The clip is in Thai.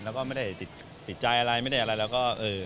แล้วก็ไม่ได้ติดใจอะไรไม่ได้อะไรแล้วก็เออ